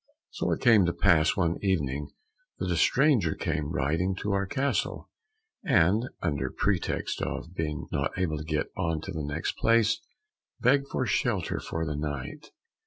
So it came to pass one evening that a stranger came riding to our castle, and, under pretext of not being able to get on to the next place, begged for shelter for the night.